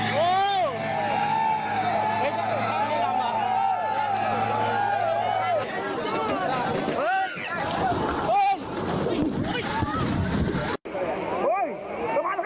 ขอบน้ำอะนะก็เหมือนเป็นสะพานยาว